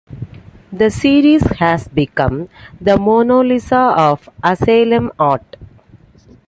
The series has become "the Mona Lisa of asylum art".